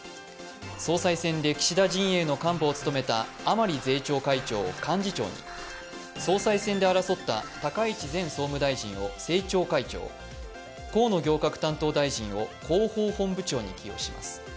総裁選で岸田陣営の幹部を務めた甘利明税調会長を幹事長に総裁選で争った高市前総務大臣を政調会長、河野行革担当大臣を広報本部長に起用します。